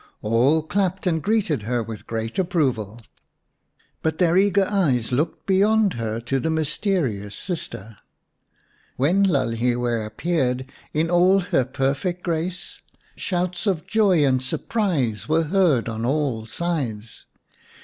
All clapped and greeted her with great approval, but their eager eyes looked beyond her to the mysterious sister. When Lalhiwe appeared in all her perfect grace, shouts of joy and surprise were heard on all sides.